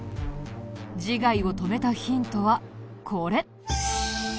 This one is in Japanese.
自害を止めたヒントはこれ。